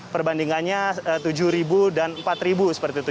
perbandingannya tujuh dan empat seperti itu